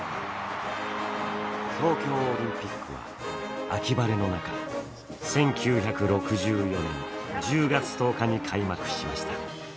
東京オリンピックは秋晴れの中、１９６４年１０月１０日に開幕しました。